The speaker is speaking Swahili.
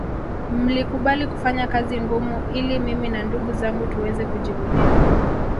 Mlikubali kufanya kazi ngumu ili mimi na ndugu zangu tuweze kujivunia